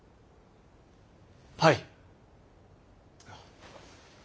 はい。